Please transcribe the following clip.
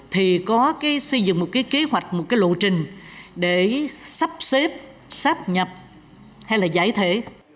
thì có cái xây dựng một cái kế hoạch một cái lộ trình để sắp xếp sắp nhập hay là giải thể